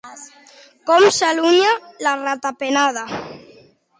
Com s'allunya la ratapenada?